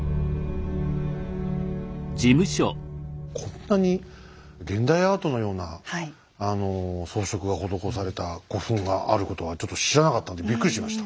こんなに現代アートのような装飾が施された古墳があることはちょっと知らなかったんでびっくりしました。